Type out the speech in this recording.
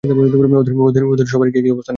ওদের সবারই কি এই অবস্থা?